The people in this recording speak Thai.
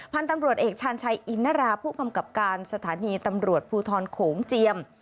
พันธุ์ตำรวจเอกชาญชัยอินนราผู้กำกับการสถานีตำรวจภูทรโขงเจียม